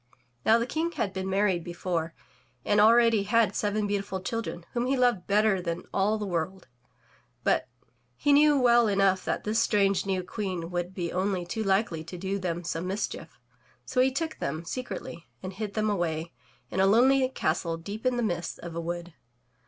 Now the King had been married before and already had seven beautiful children whom he loved better than all the world, but he knew well enough that this strange new Queen would be only too likely to do them some mischief; so he took them secretly and hid them away in a lonely castle deep in the midst of a wood.